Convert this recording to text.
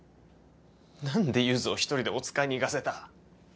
何でゆづを一人でおつかいに行かせた？